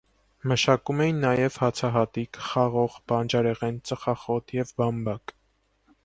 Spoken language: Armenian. Մշակում էին նաև հացահատիկ, խաղող, բանջարեղեն, ծխախոտ և բամբակ։